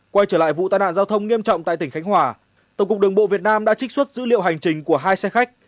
quay trở lại vụ tai nạn giao thông nghiêm trọng tại tỉnh khánh hòa tổng cục đường bộ việt nam đã trích xuất dữ liệu hành trình của hai xe khách